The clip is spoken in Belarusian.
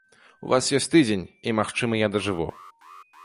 У вас ёсць тыдзень, і, магчыма, я дажыву.